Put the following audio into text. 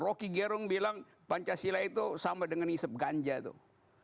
rocky gerung bilang pancasila itu sama dengan isep ganja tuh